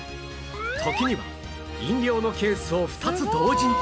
時には飲料のケースを２つ同時に！